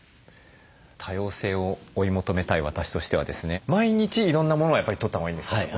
多様性を追い求めたい私としてはですね毎日いろんなものをやっぱりとったほうがいいんですか？